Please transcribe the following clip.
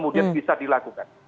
dan bisa dilakukan